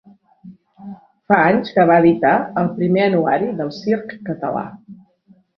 Fa anys que va editar el Primer Anuari del Circ Català.